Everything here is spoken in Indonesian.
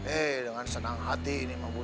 eh dengan senang hati ini mabuh